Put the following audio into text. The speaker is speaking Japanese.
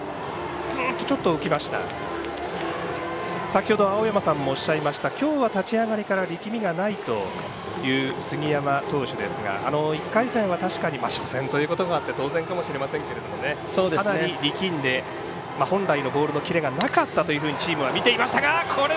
先ほど、青山さんもおっしゃいました今日は立ち上がりから力みがないという杉山投手ですが、１回戦は確かに初戦ということもあって当然かもしれませんけどかなり力んで本来のボールのキレがなかったとチームは見ていました。